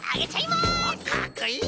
かっこいい！